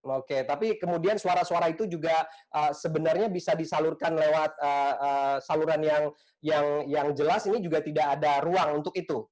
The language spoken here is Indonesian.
oke tapi kemudian suara suara itu juga sebenarnya bisa disalurkan lewat saluran yang jelas ini juga tidak ada ruang untuk itu